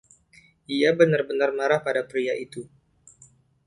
Ia benar-benar marah pada pria itu.